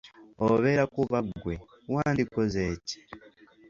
Obeera kuba ggwe, wandikoze ki?